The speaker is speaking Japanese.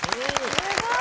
すごい！